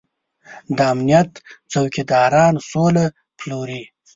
د امنيت څوکيداران سوله پلوري.